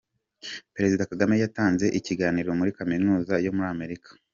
Perezida Kagame yatanze ikiganiro muri Kaminuza yo Muri Amerika